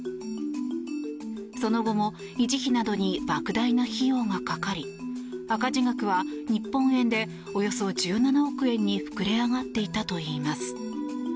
その後も維持費などにばく大な費用がかかり赤字額は日本円でおよそ１７億円に膨れ上がっていたといいます。